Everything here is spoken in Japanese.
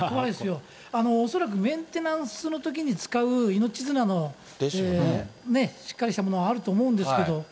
恐らくメンテナンスのときに使う命綱のしっかりしたものあると思